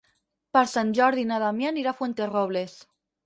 Per Sant Jordi na Damià anirà a Fuenterrobles.